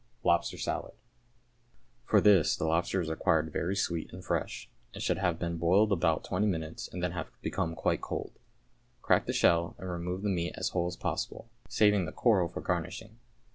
=Lobster Salad.= For this the lobster is required very sweet and fresh; it should have been boiled about twenty minutes and then have become quite cold. Crack the shell and remove the meat as whole as possible, saving the coral for garnishing.